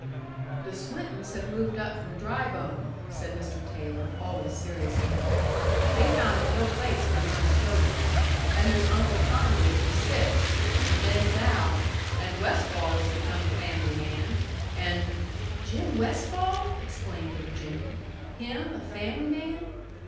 "The Swintons have moved up from Drybone," said Mr. Taylor, always seriously. "They found it no place for young children. And there's Uncle Carmody with six, and Ben Dow. And Westfall has become a family man, and " "Jim Westfall!" exclaimed the Virginian. "Him a fam'ly man!